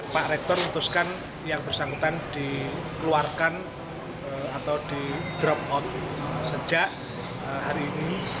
pak rektor memutuskan yang bersangkutan dikeluarkan atau di drop out sejak hari ini